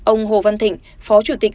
ông hồ văn thịnh phó chủ tịch